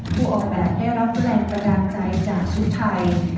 ผู้ออกแบบได้รับแรงบันดาลใจจากชุดไทย